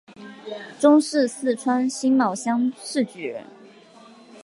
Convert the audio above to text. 中式四川辛卯乡试举人。